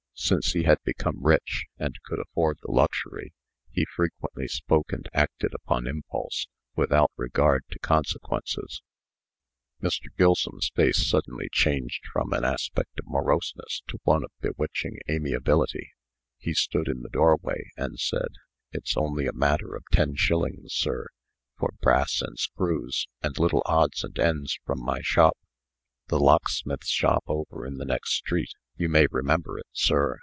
Since he had become rich, and could afford the luxury, he frequently spoke and acted upon impulse, without regard to consequences. Mr. Gilsum's face suddenly changed from an aspect of moroseness to one of bewitching amiability. He stood in the doorway, and said: "It's only a matter of ten shillings, sir, for brass and screws, and little odds and ends from my shop the locksmith's shop over in the next street you may remember it, sir.